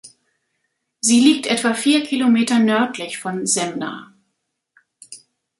Sie liegt etwa vier Kilometer nördlich von Semna.